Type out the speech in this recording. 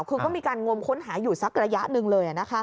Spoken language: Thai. คือก็มีการงมค้นหาอยู่สักระยะหนึ่งเลย